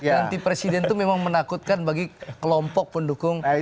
ganti presiden itu memang menakutkan bagi kelompok pendukung